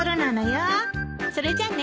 それじゃあね。